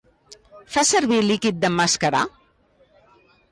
Fa servir líquid d'emmascarar?